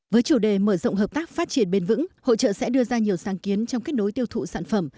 với chủ đề mở rộng hợp tác phát triển bền vững hội trợ sẽ đưa ra nhiều sáng kiến trong kết nối tiêu thụ sản phẩm